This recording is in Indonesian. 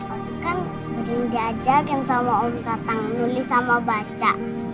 abi kan sering diajarkan sama om tatang nulis sama baca